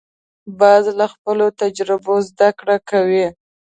باز له خپلو تجربو زده کړه کوي